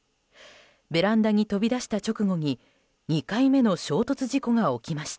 ベランダに飛び出した直後に２回目の衝突事故が起きました。